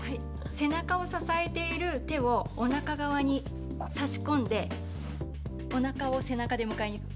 背中を支えている手をおなか側に差し込んでおなかを背中で迎えに行く。